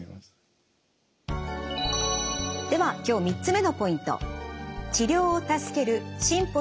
では今日３つ目のポイント。